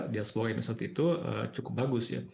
diaspora indonesia saat itu cukup bagus